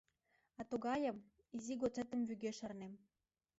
А тугайым, изи годсетым вӱге шарнем.